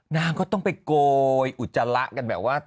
นางก็ต้องไปโกยอุจจาระกันแบบว่า